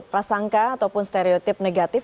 prasangka ataupun stereotip negatif